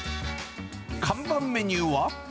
看板メニューは？